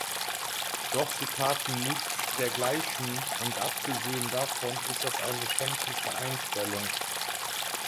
Doch sie taten nichts dergleichen, und abgesehen davon ist das eine schändliche Einstellung.